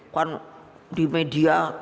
kan di media